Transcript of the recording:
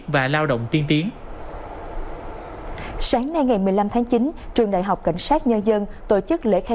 và lao động tiên tiến sáng nay ngày một mươi năm tháng chín trường đại học cảnh sát nhân dân tổ chức lễ khai